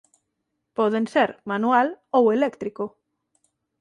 Poden ser manual ou eléctrico.